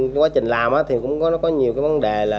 quá trình làm thì cũng có nhiều vấn đề là